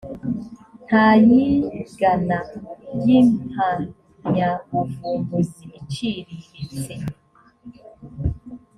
nta yigana ry impamyabuvumbuzi iciriritse